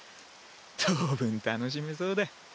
当分楽しめそうだ。